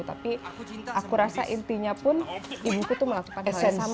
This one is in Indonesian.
tapi aku rasa intinya pun ibuku tuh melakukan hal yang sama